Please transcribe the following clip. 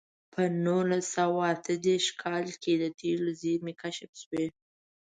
په نولس سوه اته دېرش کال کې د تېلو زېرمې کشف شوې.